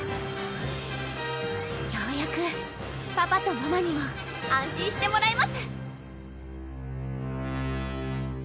ようやくパパとママにも安心してもらえます・・